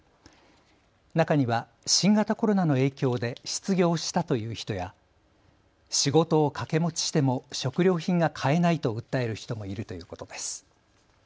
中には新型コロナの影響で失業したという人や仕事を掛け持ちしても食料品が買えないと訴える人もいるということです。